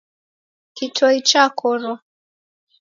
Kitoi chakorwa